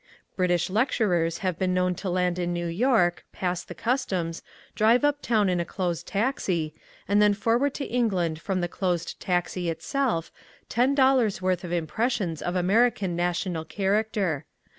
British lecturers have been known to land in New York, pass the customs, drive uptown in a closed taxi, and then forward to England from the closed taxi itself ten dollars' worth of impressions of American national character.